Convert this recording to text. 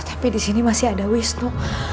tapi disini masih ada wisnu